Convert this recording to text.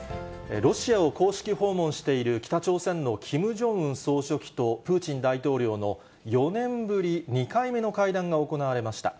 ロシアを公式訪問している北朝鮮のキム・ジョンウン総書記と、プーチン大統領の４年ぶり２回目の会談が行われました。